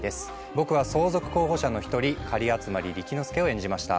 僕は相続候補者の１人狩集理紀之助を演じました。